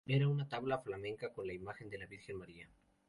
Era una tabla flamenca con la imagen de la Virgen María.